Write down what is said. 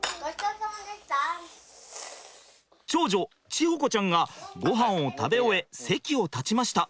長女智穂子ちゃんがごはんを食べ終え席を立ちました。